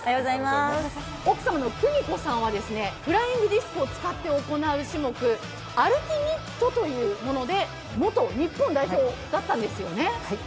奥様の久美子さんはフライングディスクを使って行う種目、アルティメットというもので元日本代表だったんですよね。